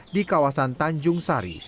di kawasan tanjung sari